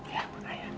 iya buat ayah